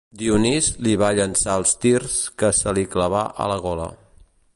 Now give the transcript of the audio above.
Dionís li va llançar el tirs que se li clavà a la gola.